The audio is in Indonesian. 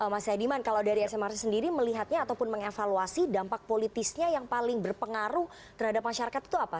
mas yaidiman kalau dari smrc sendiri melihatnya ataupun mengevaluasi dampak politisnya yang paling berpengaruh terhadap masyarakat itu apa